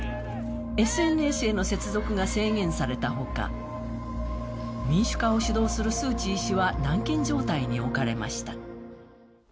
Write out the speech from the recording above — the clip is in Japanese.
ＳＮＳへの接続が制限されたほか民主化を主導するスー・チー氏は軟禁状態に置かれました。